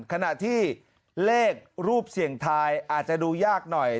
ขณะที่เลขรูปเสี่ยงทายอาจจะดูยากหน่อย